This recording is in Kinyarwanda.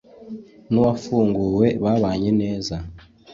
n’uwafunguwe babanye neza